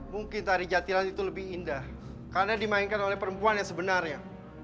mungkin tari jatilan itu lebih indah karena dimainkan oleh perempuan yang sebenarnya